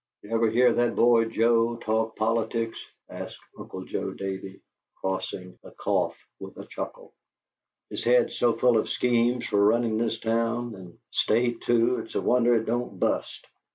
"You ever hear that boy Joe talk politics?" asked Uncle Joe Davey, crossing a cough with a chuckle. "His head's so full of schemes fer running this town, and state, too, it's a wonder it don't bust.